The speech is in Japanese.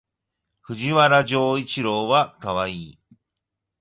藤原丈一郎はかわいい